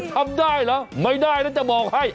ทำได้เหรอไม่ได้นะจะบอกให้